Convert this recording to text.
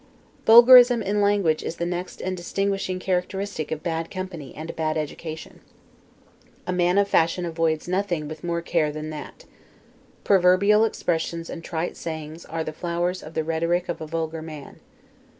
Vulgarism in language is the next and distinguishing characteristic of bad company and a bad education. A man of fashion avoids nothing with more care than that. Proverbial expressions and trite sayings are the flowers of the rhetoric of a vulgar man.